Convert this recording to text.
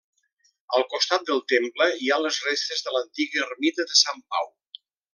Al costat del temple hi ha les restes de l'antiga ermita de Sant Pau.